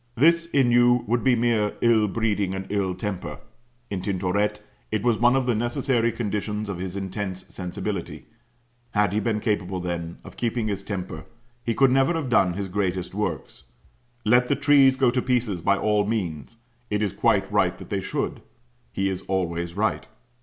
This, in you, would be mere ill breeding and ill temper. In Tintoret it was one of the necessary conditions of his intense sensibility; had he been capable, then, of keeping his temper, he could never have done his greatest works. Let the trees go to pieces, by all means; it is quite right they should; he is always right.